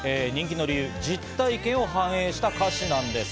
人気の理由、実体験を反映した歌詞なんです。